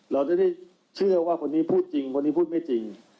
เราจะได้เชื่อว่าคนนี้พูดจริงคนนี้พูดไม่จริง